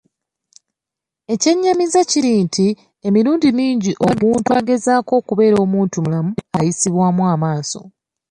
Ekyennyamiza kiri nti emirundi mingi omuntu agezaako okubeera omuntumulamu, ayisibwamu amaaso.